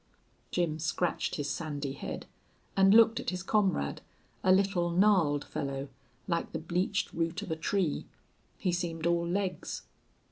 Jim scratched his sandy head and looked at his comrade, a little gnarled fellow, like the bleached root of a tree. He seemed all legs.